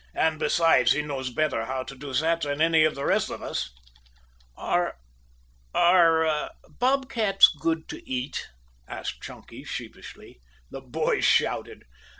And, besides, he knows better how to do that than any of the rest of us." "Are are bob cats good to eat?" asked Chunky sheepishly. The boys shouted.